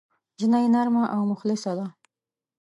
نجلۍ نرمه او مخلصه ده.